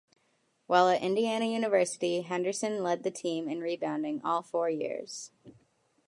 While at Indiana University, Henderson led the team in rebounding all four years.